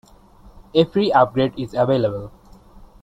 A free upgrade is available.